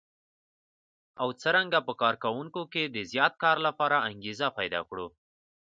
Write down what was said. او څرنګه په کار کوونکو کې د زیات کار لپاره انګېزه پيدا کړي.